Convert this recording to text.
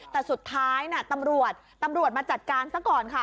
แต่สุดท้ายน่ะตำรวจตำรวจมาจัดการซะก่อนค่ะ